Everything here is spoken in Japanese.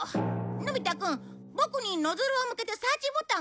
のび太くんボクにノズルを向けてサーチボタンを押してみて。